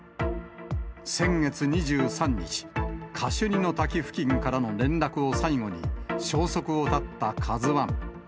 先月２３日、カシュニの滝付近からの連絡を最後に、消息を絶ったカズワン。